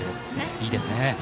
いいですね。